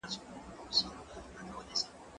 زه ليکنې کړي دي؟